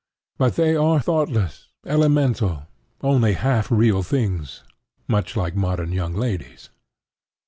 But they are thoughtless, elemental, only half real things, much like modern young ladies.